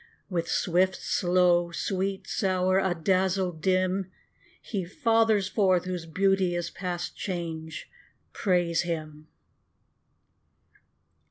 With swift, slow; sweet, sour; adazzle, dim; He fathers forth whose beauty is past change: Praise him.